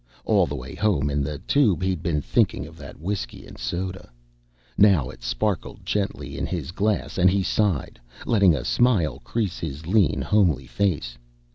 All the way home in the tube, he'd been thinking of that whiskey and soda. Now it sparkled gently in his glass and he sighed, letting a smile crease his lean homely face.